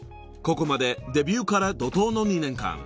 ［ここまでデビューから怒濤の２年間］